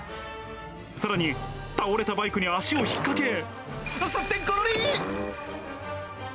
さらに倒れたバイクに足を引っ掛け、すってんころりん。